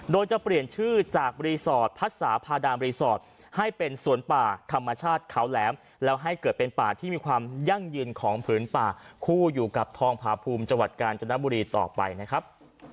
โดยจะเปลี่ยนชื่อจากรีสอร์ทพัดสาพาดามรีสอร์ทให้เป็นสวนป่าธรรมชาติเขาแหลมแล้วให้เกิดเป็นป่าที่มีความยั่งยืนของผืนป่าคู่อยู่กับทองพาภูมิจังหวัดกาญจนบุรีต่อไปนะครับ